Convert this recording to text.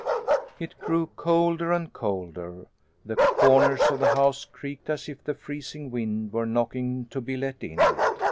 It grew colder and colder. The corners of the house creaked as if the freezing wind were knocking to be let in.